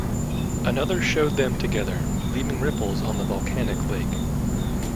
Another showed them together, leaving ripples on the volcanic lake.